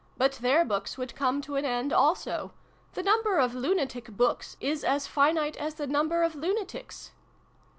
" But their books would come to an end, also. The number of lunatic books is as finite as the number of lunatics."